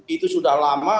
itu sudah lama